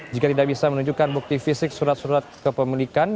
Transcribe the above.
jika tidak bisa menunjukkan bukti fisik surat surat kepemilikan